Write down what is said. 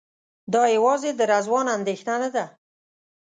دا یوازې د رضوان اندېښنه نه ده.